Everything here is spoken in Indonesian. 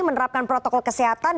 menerapkan protokol kesehatan